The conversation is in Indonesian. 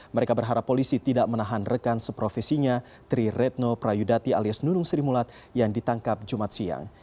mereka berharap polisi tidak menahan rekan seprofesinya tri retno prayudati alias nunung sri mulat yang ditangkap jumat siang